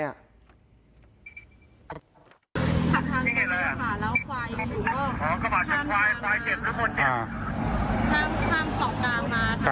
ก็อัพเดรคไม่ทันแล้วก็เลยชนจำจำ